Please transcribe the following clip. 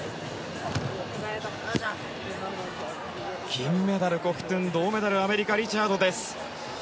銀メダル、コフトゥン銅メダル、アメリカリチャード。